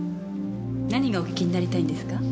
何がお聞きになりたいんですか？